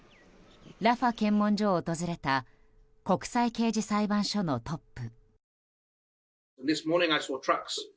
ラファ検問所を訪れた国際刑事裁判所のトップ。